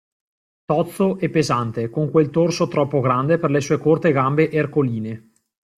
Tozzo e pesante, con quel torso troppo grande per le sue corte gambe ercoline.